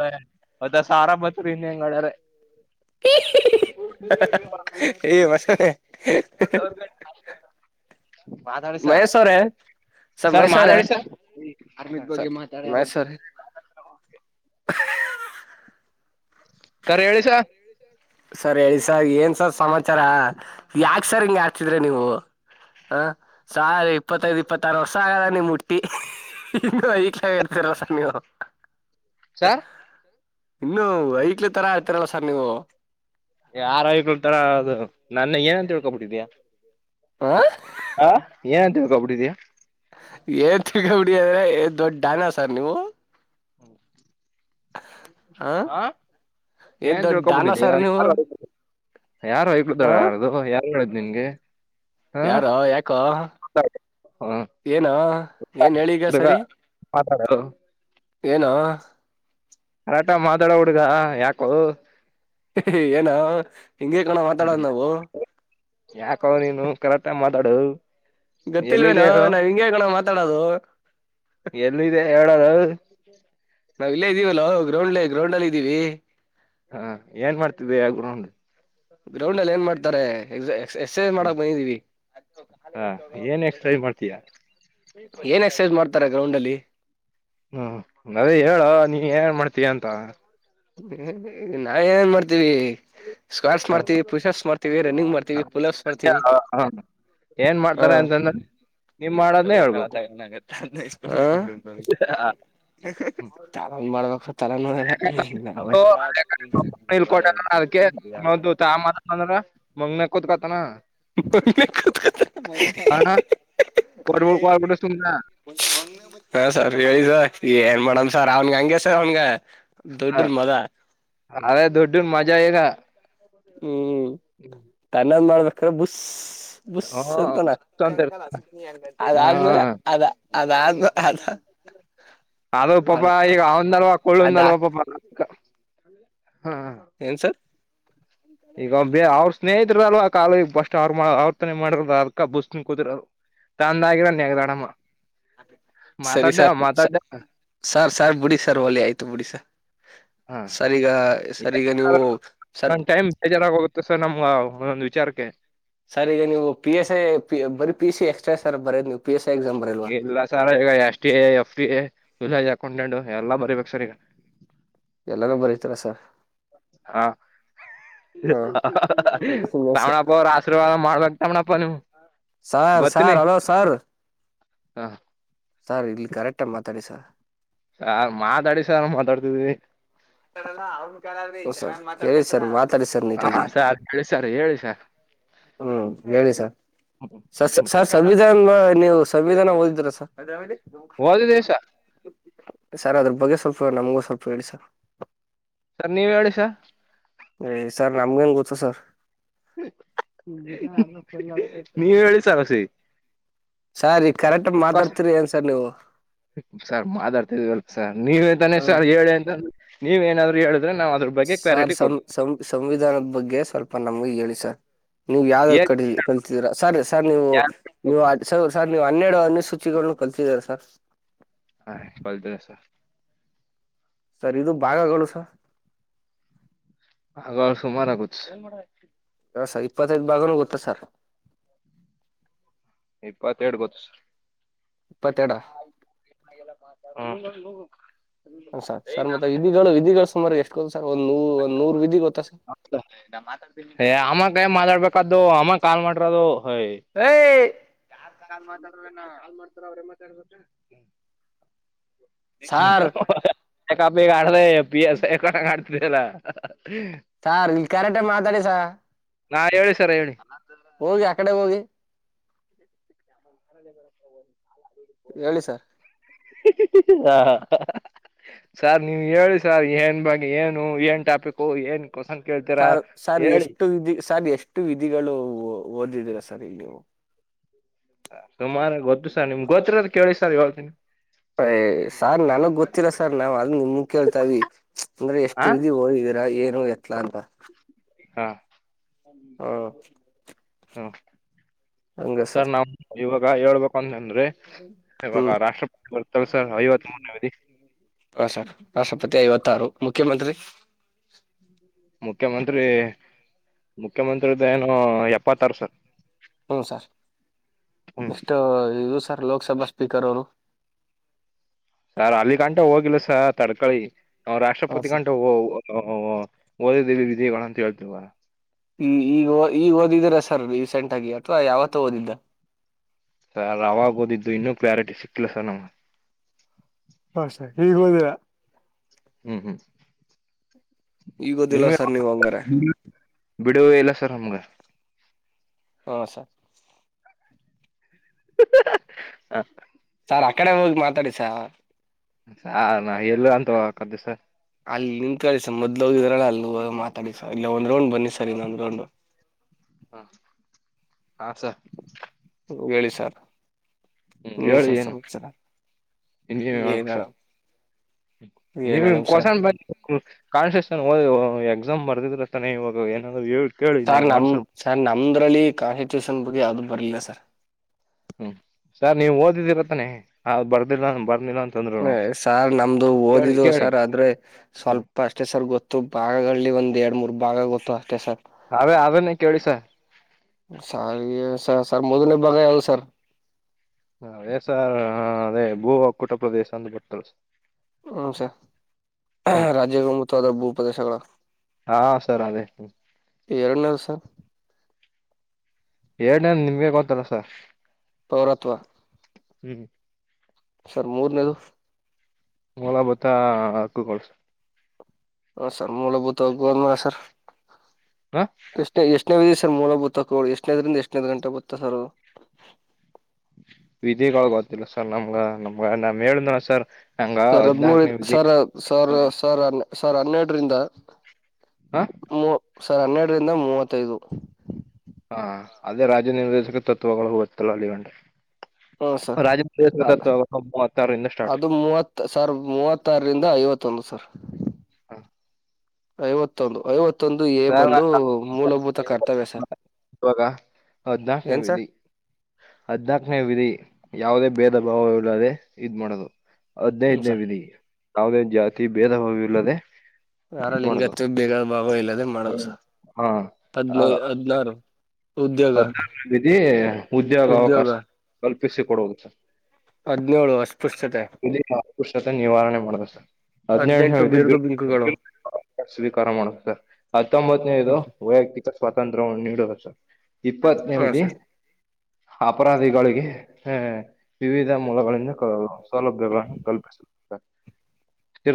ರ ಹೊದಸ ಆರಾಮಭತ್ ರೀ ಇನ್ ಹೆಂಗಡ್ರ [unintelligible] ಮಷ [unintelligible] ಮಾತಾಡಿ ಸರ್ ಮಹೇಶ್ ಅವ್ರೆ ಸರ್ ಮಹೇಶ್ ಅವ್ರೆ ಮಾತಾಡಿ ಸರ್. ಅರ್ಮಿದ ಬಗ್ಗೆ ಸರ್ ಮಹೇಶ್ ಮಾತಾಡಂತ ಅವ್ರೆ ಸರ್ ಹೇಳಿ ಸರ್ ಸರ್ ಹೇಳಿ ಸರ್ ಏನ್ ಸರ್ ಸಮಾಚಾರ ಯಾಕ್ ಸರ್ ಹಿಂಗ ಆಡ್ತಿದ್ರಿ ನೀವು. ಹ ಸ ಇಪ್ಪತ್ತದುಇಪ್ಪತ್ತಾರ ವರ್ಷ ಆಗದ ನೀವು ಮುಟ್ಟಿ. ಇನ್ನು ಐಕ್ಲ ಇರ್ತೀರಸರ್ ನೀವು ಸರ್ ಇನ್ನು ಏಕೋ ತರ ಆಡ್ತಿದರೆ ಸರ್ ನೀವು ಆರೋಗಕಳ್ತರ ಅದು ನನ್ನ ಏನಂತೇಳ್ಕೊಬಿಟ್ಟಿದ್ಯಾ ಆ ಹಾ ಏನ್ ಅಂತೇವಿ ಕಬಡಿದ್ಯಾ ಏನ್ ತಿಲ್ಕಬಡಿ ಅಂದ್ರೆ ಏನ್ ದೊಡ್ಡ ಡಾನ್ ಸಾರ್ ನೀವು? [inaudible] ಹ ಹಾ ಏನ್ ದೊಡ್ಡ ಡಾನ ತಿಳ್ಕೋಬಿಟ್ಟಿದಿಯಾ ಸರ್ ನೀವು ಯಾರ್ ಯಾರು ಹೈಕಳ್ ಹ ತರಾ ಆಡೊದು ಯಾರು ಹೇಳಿದ್ ನಿನ್ಗೆ? ಹ ಯಾರೋ ಯಾಕೋ? ಹ ಏನೋ ಏನ್ ಹೇಳಿಗ ಹುಡುಗ ಸರಿ ಮಾತಾಡು ಏನೋ? ಕರೆಕ್ಟಾಗಿ ಮಾತಾಡೋ ಹುಡ್ಗ ಯಾಕೋ? [unintelligible] ಏನೋ ಹಿಂಗೆ ಕಣೋ ಮಾತಾಡೋದ ನಾವು. ಯಾಕೋ ನೀನು ಕರೆಕ್ಟಾಗಿ ಮಾತಾಡೋ. ಗೊತ್ತಿಲ್ವೇನೋ ನಾವ್ ಹಿಂಗೆ ಕಣೋ ಮಾತಾಡೋದು. ಎಲ್ಲ ಇದೇ ಹೇಳಲೋ. ನಾವ್ ಇಲ್ಲೇ ಇದೀವಲ್ಲೊ ಗ್ರೌಂಡ್ಲ್ಲೆ ಗ್ರೌಂಡ್ ಅಲ್ಲಿ ಇದೀವಿ. ಹಾ ಏನ್ ಮಾಡ್ತಿದಿಯಾ ಗ್ರೌಂಡ್ ಗ್ರೌಂಡ್ ಅಲ್ಲಿ ಏನ್ ಮಾಡ್ತಾರೆ ಎಕ್ಸ ಎಕ್ಸರ್ಸೈಸ್ ಮಾಡಕ್ ಬಂದಿದೀವಿ. ಹಾ ಏನ್ ಎಕ್ಸೈಸ ಮಾಡ್ತೀಯಾ? ತರ ಗ್ರೌಂಡಲ್ಲಿ. ಹ್ಮ್ ಅದೇ ಹೇಳೋ ನೀ ಏನ್ ಏನ್ ಮಾಡ್ತೀಯಾ ಅಂತಾ? ಹ್ಮ ಹ್ಮ್ ನಾ ಏನೇನ್ ಮಾಡ್ತೀವಿ? ಸ್ಕ್ವಾಡ್ಸ್ ಮಾಡ್ತಿವಿ ಪೂಷಪ್ಸ್ ಮಾಡ್ತಿವಿ ರನ್ನಿಂಗ್ ಮಾಡ್ತೀವಿ ಪುಲಪ್ಸ್ ಮಾಡ್ತವಿ ಹ ಹಾ ಏನ್ ಮಾಡ್ತಾರೆ ಅಂತಂದ್ರ [unintelligible] ಹ [unintelligible] ತಾರಣ್ ಮಾಡ್ಬೇಕು ತರಣುವೆ [unintelligible] [unintelligible] ಅಂದ್ರ ಮಂಗನಂಗ್ ಕೂತ್ಕತಾನ. ಮೊನ್ನೆ ಕೂತ್ಕೊತ [unintelligible] ಹ ಸರ್ ಹೇಳಿ ಸರ್ ಏನ್ ಮಾಡನ್ ಸರ್ ಅವ್ನ್ಗ ಹಂಗೆ ಸರ್ ಅವ್ನ್ಗ. ದುಡ್ಡಿನ ಮದ. ಅದೇ ದುಡ್ಡಿನ್ ಮಜಾ ಇಗಾ. ಹ್ಮ್ ತನ್ನದ್ ಮಾಡ್ಬೇಕಾದ್ರೆ ಬುಸ್ ಬುಸ್ ಹ್ಮ ಅಂತಾನ ಅಂತ ಹ ಅದಾದ್ಮೇಲೆ ಅದ ಅದಾದ್ಮೇಲ ಆದ್ರೂ ಪಾಪ ಅದ ಈಗ ಅವಂದಲ್ವಾ ಅದಾ ಕುಳ್ಳುಂದಲ್ವಾ ಪಾಪ ಅ ಹಾ ಹಾ ಹಾ ಏನ್ ಸರ್ ಈಗ ಅವ್ನ ಬೇ ಅವ್ರ ಸ್ನೇಹಿತರದಲ್ವಾ ಆ ಕಾಲ ಈಗ್ ಬಸ್ಟ್ ಅವ್ರ ಅವ್ರ ತಾನೆ ಮಾಡಿರೋದೂ ಅದಕ ಬುಸ್ ನಂಗ್ ಕುತಿರ್ತನ್ ತಂದ ಆಗಿರ ನೆಗದಾಡಂ ಸರಿ ಮಾತಾಡ್ಯಾ ಸರ್ ಮಾತಾಡ್ದ ಸರ್ ಸರ್ ಬಿಡಿ ಸರ್ ಹೊಲಿ ಆಯ್ತು ಬಿಡಿ ಸರ್. ಹ ಸರ್ ಈಗ್ ಸರ್ ಈಗ್ ನೀವು ಸರ್ ಬೇಜಾರ್ ಆಗ್ ಹೋಗುತ್ತೆ ಸರ್ ನಮ್ ಒಂದ್ ಒಂದ್ ವಿಚಾರಕ್ಕೆ ಸರ್ ಈಗ ನೀವು ಪಿ ಎಸ್ ಐ ಪಿ ಬರಿ ಪಿಸ್ ಸಿ ಎಕ್ಸ್ಟ್ರಾ ಸರ್ ಬರ ಬರ್ಯದ ನೀವು ಪಿ ಎಸ್ ಐ ಎಕ್ಸಾಮ್? ಬರಲ್ವಾ ಇಲ್ಲ ಸರ್ ಈಗ S D A F D A village accountant ಎಲ್ಲಾ ಬರಿಬೇಕ ಸರ್ ಈಗ. ಎಲ್ಲಾನೂ ಬರತಿರಾ ಸರ್? ಹಾ ಹಾ [unintelligible] ಶಾವಣ bore [unintelligible] sir sir hello sir. ಹಾ ಸರ್ ಇಲ್ಲಿ ಕರೆಕ್ಟ್ ಟೈಮ್ ಮಾತಾಡಿ ಸರ್ ಸ ಮಾತಾಡಿ ಸರ್ ಮಾತಾಡ್ತಿದ್ವಿ ಹೇಳಿ ಸರ್ ಮಾತಾಡಿ ಸರ್ ನೀಟಾಗಿ ಹ ಸಾರ್ ಹೇಳಿ ಸರ್ ಹೇಳಿ ಸರ್ ಹ್ಮ್ ಹೇಳಿ ಸ ಸ ಸಾರ್ ಸಂವಿಧಾನ ನೀವು ಸಂವಿಧಾನ ಓದಿದ್ರ ಸ ಓದಿದೀವಿ ಸರ್ ಸರ್ ಅದ್ರ ಬಗ್ಗೆ ಸ್ವಲ್ಪ ನಮಗೂ ಸ್ವಲ್ಪ ಹೇಳಿ ಸರ್ ಸರ್ ನೀವ್ ಹೇಳಿಿಸ ಸರ್ ನಮ್ಗೆ ಹೆಂಗಗೆ ಗೊತ್ತ ಸರ್ ನೀ ಹೇಳಿ ಸಾಹಸಿ ಸರ್ ಈ ಕರೆಕ್ಟ್ಾಗಿ ಮಾತಾಡ್ತೀರಿ ಏನ್ ಸರ್ ನೀವು ಸರ್ ಮಾತಾಡ್ತಿದವಿವಲ್ಪ ಸರ್ ನೀವ ಹ್ಮ ಸರ್ ಹೇಳಿ ಅಂತಂದ್ರ ನೀವ ಏನಾದ್ರು ಹೇಳಿದ್ರೆ ನಾವವು ಅದ್ರ ಬಗ್ಗೆ ಸರ್ ಕ್ವಾರಿಟಿ ಸಂ ಕೊಡ್ತವಿ ಸಂ ಸಂವಿಧಾನದ ಬಗ್ಗೆ ಸ್ವಲ್ಪ ನಮ್ಗೆ ಹೇಳಿ ಸರ್ ನೀವು್ ಯಾವ್ದಾವ ಕಡೆ ಕಲ್ತಿದ್ದೀರಾ ಸರಿ ಸರ್ ನೀವು ನೀವು ಸರ್ ನೀವು ಹನ್ನೆರಡು ಅನುಸೂಚಿನ್ನ ಕಲ್ತಿದರ ಸರ್ ಹಾ ಕಲ್ತ ಸರ್ ಇದು ಭಾಗಗಳು ಸ ಆಗ ಸುಮಾರ ಆಗು ಹ ಸರ್ ಇಪ್ಪತ್ತೈದದು ಭಾಗನೂ ಗೊತ್ತಾ ಸರ್ ಇಪ್ಪತ್ತೆರಡು ಗೊತ್ತು ಸರ್ ಇಪ್ಪತ್ತೆಡ [inaudible] ಸರ್ ಸರ್ ಮತ್ತೆ ವಿಧಿಗಳು ವಿಧಿಗಳು ಸುಮಾರ ಎಷ್ಟುೋ ಸರ್ ಒಂದೂ ಒಂದ ನೂರು ವಿಧಿ ಗೊತ್ತಾ ಸರ್ ಅಮಕ್ ಮಾತಾಡ್ಬೇಕಾದ್ದು ಅಮ್ಮಕ್ ಕಾಲ್ ಮಾಡ್ರದು ಹಯ್ [inaudible] ಕಾ ಮಾತಾಡ್ರ ನಾ ಕಲ್ ಮಾಡ್ತಾರ ಅವ್ರೇ ಮಾತಾಡ್ಬ ಸಾರ್ ಕಾಪಿ ಕಡಲ ಪಿ ಎಸ್ ಎಕ ಕತಲ್ಲ ಸಾರ್ ಕ್ಯಾರೆಕ್ಟರ್ ಮಾತಾಡಿ ಸ ನಾ ಹೇಳಿ ಸರ ಹೇಳಿ ಹೋಗಿ ಆ ಕಡೆ ಹೋಗಿ [inaudible] ಮರ ಬ ಹೇಳಿ ಸರ್ ಹಾ ಸಾರ್ ನೀವು್ ಹೇಳಿ ಸರ್ ಏನ್ ಬಗ್ ಏನು ಏನ್ ಟಾಪಿಿಕು ಏನ್ ಹೊಸ ಕೇತ ಸಾರ್ ಸರ್ ಎಷ್ಟು ವಿಧಿ ಸರ್ ಎಷ್ಟು ವಿಧಿಗಳು ಓದಿದೀರಾ ಸರ್ ಇಲ್ಲಿವು ಸುಮಾರು ಗೊತ್ತು ಸರ್ ನಿಮ್ಗ್ ಗೊತ್ತತ್ರದ ಕೇಳಿ ಸರ್ ಹೇಳ್ತೀನಿ ಸಾರ್ ನನಗ್ ಗೊತ್ತಿರ ಸಾರ್ ನಾವವು ಅದ ನಿಮ ಕೇಳ್ತವಿ ಅಂದ್ರೆ ಆ ಎಷ್ಟು ವಿಧಿ ಹೋಗಿದ್ದೀರಾ ಏನು ಎತ್ಲಾ ಅಂತ ಹಾ ಹ್ಮ್ ಹ ಸರ್ ನ ಇವಾಗ ಹೇಳ್ಬೇಕಂತಂದ್ರೆ ಇವಾಗ ಹ್ಮ್ ರಾಷ್ಟ್ರಪತಿ ಬರ್ತಲ್ಸರ್ ಐವತ್ ಮೂರನೇ ಅವಧಿ ಹ ಸರ್ ರಾಷ್ಟ್ರಪತಿ ಐವತ್ತಾರು ಮುಖ್ಯಮಂತ್ರಿ ಮುಖ್ಯಮಂತ್ರಿ ಮುಖ್ಯಮಂತ್ರಿ್ದ ಏನುೋ ಎಪ್ಪತ್ತಾರು ಸರ್ ಹ್ಞೂ ಸರ್ ಹ್ಮ್ ಎಷ್ಟು ಇದು ಸರ್ ಲೋಕಸಭಾ ಸ್ಪೀಕರ್ ಅವರು ಸರ್ ಅಲ್ಲಿ ಗಂಟ ಹೋಗಿಲ್ಲ ಸ ತಡ್ಕಳಿ ನ ರಾಷ್ಟ್ರಪತಿ ಗಂಟ ಹ ಓ ಓದವಿ ವಿಜಯ್ಗ ಅಂತ ಹೇಳ್ತೀವ ಈ ಈಗ ಈಗ ಓದಿದ್ದೀರ ಸರ್ ರೀಸೆಂಟ್ ಆಗಿ ಅಥವಾ ಯಾವತ್ತ ಓದಿದ್ದ ಸರ್ ಅವಾವಾಗ ಓದಿದ್ದು ಇನ್ನುೂ ಕ್ಲಾರಿಟಿ ಸಿಕ್ಕಲಿಲ್ಲ ಸರ್ ನಮ್ಗೆ ಹಷೆ ಈಗಗ್ ಹೋದರಾ ಹ್ಮ್ ಹ್ಮ್ ಈಗೋದಿಲ್ಲವ ನಿಮ್ಗೆ ಸರ್ ನೀವ್ ಹಂಗಾರ ಬಿಡುವ ಇಲ್ಲ ಸರ್ ನಮ್ಗ ಹಾ ಸರ್ ಹ ಸಾರ್ ಆ ಕಡೆ ಹೋಗಿ ಮಾತಾಡಿ ಸಾರ್ ನಾ ಎಲ್ಲ ಅಂತ ಹ ಕ್ದೆ ಸರ್ ಅಲ್ಲಿ ನಿಂತತ್ ಕೇಳಿ ಸರ್ ಮೊದ್ ಹೋಗಿದ್ರಲ್ಲ ಅಲ್ಲಿ ಮಾತಾಡಿ ಸರ್ ಇಲ್ಲ ಒಂದ್ ರೌ ಬನ್ನಿ ಸರ್ ಇನ್ನೊಂದ್ ರೌಂಡ್ ಹಾ ಹಾ ಸರ್ ಹೇಳಿ ಸರ್ ಹ್ಮ್ ಇನ್ನೇನ್ ಹೇಳಿ ಸರ್ ಏನು ಸಮಾಚಾರ ಇಜ ಏನ್ ಮಾಡಬೇಕಸ ಹೇಳ ನೀವ ಏನ್ ಹೇಳಮ್ ಸರ್ ಕಸನ್ ಬ ಕಾನ್ಸಿಯಸ್ ಹ ಎಕ್ಸಾಮ್ ಬರ್ದಿದ್ರ ತಾನೆ ಇವಾಗ ಏನಾದರು ಸರ್ ನಮ್ ಸರ್ ನಮ್ದ್ರಲ್ಲಿ ಕಾನ್ಸ್ಟಿಟ್ಯೂಷನ್ ಬುಗ್ಗೆ ಯಾವ್ದು ಬರ್ಲಿಲ್ಲ ಸರ್ ಹ್ಮ ಸರ್ ನೀವ್ ಓದಿದಿರತ್ತಾನೆ ಅ ಬರ್ದಿಲ್ಲ ಬರ್ದಿಲ್ಲ ಅಂತಂದ್ರು ಹ ಸಾರ್ ನಮ್ದು ಕೇಳಿ ಓದಿದ್ದು ಕೇಳಿ ಸರ್ ಆದ್ರೆ ಸ್ವಲ್ಪ ಅಷ್ಟೇ ಸರ್ ಗೊತ್ತು ಭಾಗಗಳಲ್ಲಿ ಒಂದ್ ಎರಡು ಮೂರ್ ಭಾಗ ಗೊತ್ತು ಅಷ್ಟೇ ಸರ್ ಹಾವೇ ಅವ ನ ಕೆೇಳ ಸ ಸರಿ ಸ ಸರ್ ಮೊದನೇ ಬಾಗ ಯಾವ್ದ ಸರ್ ಹ ಅದೇ ಸರ್ ಅದೇ ಭೂ ಒಕ್ಕೂಟ ಪ್ರದೇಶ ಅಂತ ಬರ್ತಳ ಸ ಹ ಸ ಹ್ಮ್ ರಾಜ್ಯ ಪ್ರಮುಖವಾದ ಭೂ ಪ್ರದೇಶಗಳು ಹಾ ಸರ್ ಅದೇ ಪೇರ್ಣ ಸರ್ ಎರಡ್ನೇ ನಿಮ್ಗೆ ಗೊತ್ತಲ್ಲ ಸ ಪೌರತ್ವ ಹ್ಮ್ ಸರ್ ಮರ್ನೇದು ಮೊಳ ಭತ್ತ ಅಕ್ಕ ಕೊಳ್ಸ ಹ ಸರ್ ಮೂಲಭೂತವಾಗಿಬೋದ ಸರ್ ಹಾ ಎಷ್ಟನ ಎಷ್ಟನೇ ವಿ ಸ ಮೂಲಭೂತ ತಕೋ ಎಷ್ಟನೇದರಿಂದ ಎಷ್ಟನದುಂಟ ಬತ್ತ ಸರ್ ವಿಧಿಗೊಳ ಗೊತ್ತಿಲ್ಲ ಸರ್ ನಮ್ಗ ನಮ್ಗ ನಮ್ ಹೇಳಿದ್ರ ಸರ್ ನಂಗ ಸರ್ ಹದ್ಮೂರು ಹದ್ನಾಲ್ಕನೇ ವಿಧಿ ಸರ್ ಸಾವಿರ ಸಾವಿರ ಸಾವಿರ ಹನ್ನೆರಡರಿಂದ ಹಾ ಮೂ ಸರ್ ಹನ್ನೆರಡರಿಂದ ಮೂವತ್ತೈದು ಹಾ ಅದೇ ರಾಜ್ಯ ನಿರ್ದೇಶಕ ತತ್ವಗಳು ಹೋಗುತ್ತಲ್ಲ ಅಲ್ಲಿ ಗಂಟೆ ಹ್ಮ ಸರ್ ರಾಜಮ ಮೂವತ್ತಾರಂದ ಸ್ಟಾರ್ಟ್ ಸಾವ್ರ ಮವತ್ತಾರರಿಂದ ಐವತ್ತೊಂದು ಸರ್ ಐವತ್ತೊಂದು ಐವತ್ತು ಮತ್ತೊಂದು ಏ ಸರ್ ಬಂದು ಮೂಲಭೂತ ಕರ್ತವ್ಯ ಸರ್ ಇವಾಗ ಏನ್ ಸರ್ ಹದ್ನಾಾಕನೇ ವಿಧಿ ಯಾವುದೇ ಭೇದ ಭಾವ ಇಿಲ್ಲದೆ ಇದ್ ಮಾಡೋದು ಹ್ಮ್ ಹದ್ನೈದನೇ ಸರ್ ವಿಧಿ ಯಾವುದೇನ್ ಜಾತಿ ಭೇದ ಭಾವ ಇಿಲ್ಲದೆ ಯಾರ ಲಿಂಗತ್ಯ ಬೇಗಾದ ಭಾವ ಇಲ್ಲದೆ ಮಾಡದುಸ ಹಾ ಹದ್ನೈ ಹದ್ನಾರು ಉದ್ಯೋಗ ಹದ್ನಾರನೇ ಮಧಿ ಉದ್ಯೋಗ ಅವಕಾಶ ಕಲ್ಪಿಸಿ ಕೊಡುವುದು ಸರ್ ಹದಿನೇಳು ಅಸ್ಪೃಶ್ಯತೆ ಇಲ್ಲಿ ಸಾಕುಷತೆ ನಿವಾರಣೆ ಮಾಡುದು ಸರ್ ಹದಿನೆಂಟನೇ ಹದ್ನೆಂಟು ವಿಧಿ ಬಿರ್ದು ಬಿಂಕುಗಳು. ಸ್ವೀಕಾರ ಮಾಡುದು ಸರ್ ಹತ್ತೊಂಬತ್ತನೇದು ವೈಯಕ್ತಿಕ ಸ್ವಾತಂತ್ರ್ಯವನ್ನು ನೀಡುವುದ ಸರ್. ಹ ಇಪ್ಪತ್ತನೇ ಸರ್ ಅಪರಾಧಿಗಳಿಗೆ ಹ ವಿವಿಧ ಮೂಲಗಳಿಂದ ಸೌಲಭ್ಯಗಳನ್ನು ಕಲ್ಪಿಸುತ್ತಾರೆ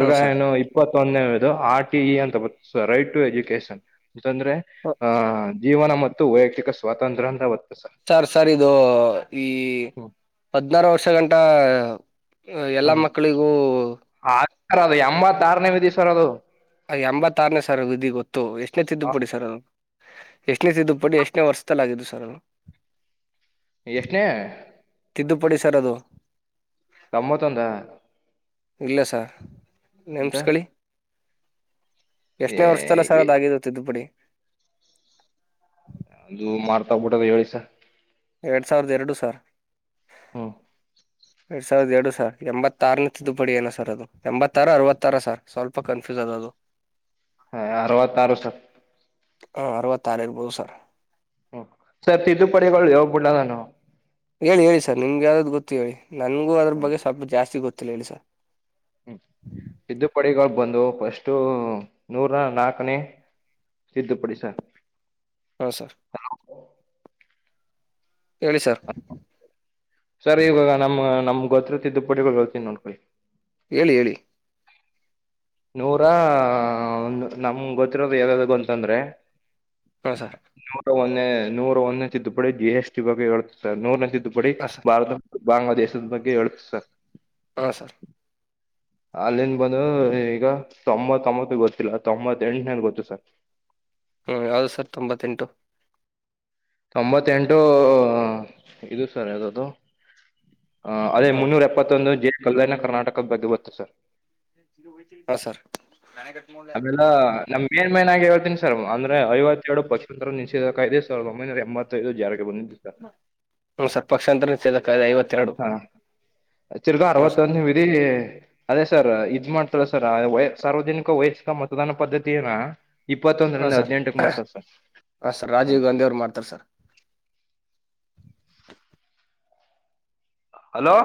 ಹ ಸರ್ ಇಪ್ಪತ್ತೊಂದನದು ಆರ್ ಟಿ ಇ ಅಂತ ರೈಟ್ ಟು ಎಜುಕೇಶನ್ ಅಂತಂದ್ರೆ ಆ ಜೀವನ ಮತ್ತು ವೈಯಕ್ತಿಕ ಸ್ವಾತಂತ್ರ್ಯ ಅಂತ ಬರುತ್ತೆ ಸಾರ್. ಸರ್ ಸರ್ ಇದು ಈ ಹ್ಮ್ ಹದಿನಾರು ವರ್ಷ ಗಂಟ. ಎಲ್ಲ ಹ ಮಕ್ಕಳಿಗೂ ಆ ಸರ್ ಅದು ಎಂಬತ್ತ ಆರನೇ ವಿಧಿ ಸರ್ ಅದು. ಎಂಬತ್ತಾರನೇ ಸರ್ ವಿಧಿ ಗೊತ್ತು ಎಷ್ಟನೇ ತಿದ್ದು ಆ, ಪುಡಿ ಸರ್ ಅದು. ಎಷ್ಟನೇ ತಿದ್ದು ಪಡಿ ಎಷ್ಟನೇ ವರ್ಷದಲ್ಲಾಗಿದ್ದು ಸರ್ ಅದು. ಎಷ್ಟ್ನೇ ತಿದ್ದುಪಡಿ ಸರ್ ಅದು. ಗಮ್ಮತಂದಾ ಇಲ್ಲ ಸರ್ ಅಂತ ನೇಮ್ಸ್ಕಳಿ. ಏ ಎಷ್ಟ್ನೇ ವರ್ಷದಲ್ಲ ಸರ್ ಅದ ಏ- ಆಗಿದತ್ತು ತಿದ್ದುಪಡಿ. ಅದು ಮರ್ತೋಗ್ಬೀಟದೆ ಹೇಳಿ ಸ. ಎರಡ್ ಸಾವಿರದ ಎರಡು ಸರ್ ಹ್ಮ್ ಎರಡ್ ಸಾವಿರದ ಎರಡು ಸರ್ ಎಂಬತ್ತಾರನ ತಿದ್ದುಪಡಿ ಏನ ಸರ್ ಅದು ಎಂಬತ್ತರ ಅರವತ್ತರ ಸರ್ ಸ್ವಲ್ಪ ಕನ್ಫ್ಯೂಸ್ ಅದ ಅದು ಹ ಅವತ್ತಾರು ಸ ಹ ಅರವತ್ತಾರು ಇರ್ಬೋದು ಸರ್ ಹ್ಮ ಸರ್ ತಿದ್ದುಪಡಿಗಳು ಹೋಗ್ಬಿಡ್ಡ ನಾನು ಹೇಳಿ ಹೇಳಿ ಸರ್ ನಿಮ್ಗೆ ಯಾವ್ದು ಗೊತ್ತು ಹೇಳಿ ನನ್ಗೂ ಅದ್ರ ಹ್ಮ್ ಬಗ್ಗೆ ಸ್ವಲ್ಪ ಜಾಸ್ತಿ ಗೊತ್ತಿಲ್ಲ ಹೇಳಿ ಸರ್ ಹ್ಮ್ ತಿದ್ದುಪಡಿಗಳು ಬಂದು ಫಸ್ಟು ನೂರ ನಾಲ್ಕನೇ ತಿದ್ದುಪಡಿ ಸರ್ ಹಾಂ ಸರ್ ಹೇಳಿ ಸರ್ ಸರ್ ಈವಾಗ ನಮ್ ನಮ್ ಗೊತ್ರತ್ರ ತಿದ್ದುಪಡಿಗಳು ಹೇಳ್ತೀನಿ ನೋಡ್ಕೊಳ್ಳಿ. ಹೇಳಿ ಹೇಳಿ ನೂರ ನಮ್ ಗೊತ್ತಿರೋದು ಯಾವ್ಯ್ದು ಅಂತಂದ್ರೆ. ಹ ಸರ್ ನೂರ ಒಂದ್ನೆ ನೂರ ಒಂದ್ನೆ ತಿದ್ದುಪಡಿ ಜಿ ಎಸ್ ಟಿ ಬಗ್ಗೆ ಹೇಳುತ್ತೆ ಸರ್ ನೂರ್ನೆ ತಿದ್ದುಪಡಿ ಹಾಂ ಸರ್ ಭಾರತ. ಬಾಂಗ್ಲಾದೇಶದ ಬಗ್ಗೆ ಹೇಳುತ್ತೆ ಸರ್. ಹಾ ಸರ್ ಅಲ್ಲಿಂದ್ ಬಂದು ಈಗ ತೊಂಬತ್ತೊಂಬತ್ತು ಗೊತ್ತಿಲ್ಲ ತೊಂಬತ್ತ ಎಂಟನೇದ್ ಗೊತ್ತು ಸರ್. ಹ್ಮ್ ಯಾವ್ದದು ಸರ್ ತೊಂಬತ್ತೆಂಟು ತೊಂಬತ್ತೆಂಟು ಇದು ಸರ್ ಅದು ಅದೇ ಹಾಂ ಮುನ್ನೂರ ಎ ಇಪ್ಪತ್ತೊಂದು ಜೆ ಕಲ್ಯಾಣ ಕರ್ನಾಟಕದ ಬಗ್ಗೆ ಗೊತ್ತು ಸರ್ ಹಾ ಸರ್ ನನ ಕಟ್ ಆಮೇಲೆ ನಮ ಮೇನ್ ಮೈನ್ನಗ ಹೇಳ್ತಿನನಿ ಸರ್ ಅಂದ್ರ ಐವತ್ತ ಎರಡು ಪಶಚಂತ್ರರ ನಿಿಸಬೇಕ ಇದೆ ಸರ್ ಒೈನ ಎಂಬತ್ತೈದು ಜಾರಿಗೆ ಬಂದಿದ್ದು ಸರ್ ಹ್ಮ ಸ್ವಪಕ್ಷಾಂತರ ನಿ ಐವತ್ತೆರಡು ಆ ಚುರ್ಗ ಹ್ಞೂ ಸರ್ ಅರವತ್ತೊಂದದಿ ಅದೇ ಸರ್ ಇದ್ ಮಾಡ್ತಾರ ಸರ್ ಸಾರ್ವಜನಿಕ ವಯಸ್ತಿಕ ಮತದಾನ ಪದ್ಧತ ಏನ ಇಪ್ಪತ್ತೊಂದರಿಂದ ಹದಿನೆಂಟಕ್ಕೆ ಮಾಡ್ತವೆ ಸರ್ ಹಾಂರ್ ಹಾ ರಾಜೀ್ ಗಾಧ ಅವ್ರು ಮಾಡತಾರೆ ಸರ್ ಹಲೋ